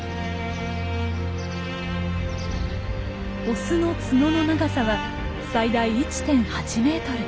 オスの角の長さは最大１．８メートル。